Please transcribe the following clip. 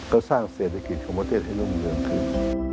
ก็สร้างเศรษฐกิจของประเทศให้รุ่งเรืองขึ้น